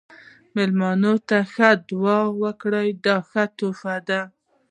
مېلمه ته ښه دعا ورکړه، دا ښه تحفه ده.